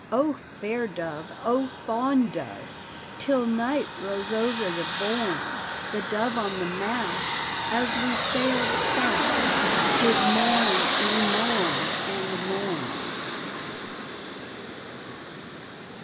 O fair dovel O fond dove! Till night rose over the bourn. The dove on the mast, as we saii'd fast, Did mourn and mourn and mourn.